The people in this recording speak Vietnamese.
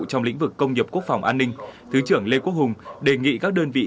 trong lĩnh vực công nghiệp quốc phòng an ninh thứ trưởng lê quốc hùng đề nghị các đơn vị